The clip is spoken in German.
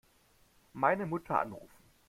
Meine Mutter anrufen.